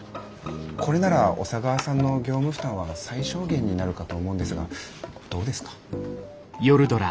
これなら小佐川さんの業務負担は最小限になるかと思うんですがどうですか？